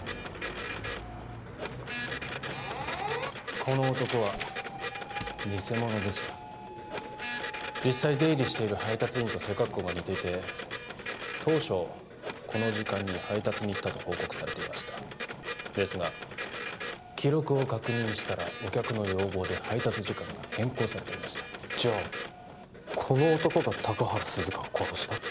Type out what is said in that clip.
この男は偽者でした実際出入りしている配達員と背格好が似ていて当初この時間に配達に行ったと報告されていましたですが記録を確認したらお客の要望で配達時間が変更されていましたじゃあこの男が高原涼香を殺した？